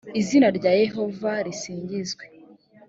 izina rya yehova risingizwe.